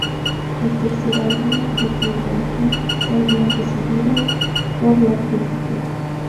El tercer álbum, "The Golden Hum", fue bien recibido por la crítica.